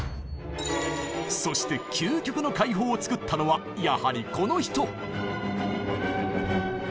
そして究極の解放を作ったのはやはりこの人！